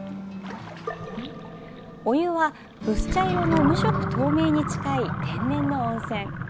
お湯は薄茶色の無色透明に近い天然の温泉。